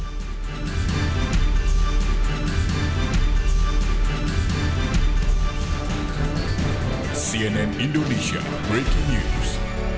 cnn indonesia breaking news